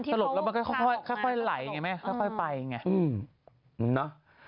สลบแล้วมันก็ค่อยไหลอย่างนี้ไหมค่อยไปอย่างนี้